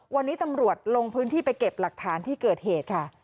วันนี้ตำรวจลงพื้นที่ไปเก็บหลักฐานที่เกิดเหตุค่ะ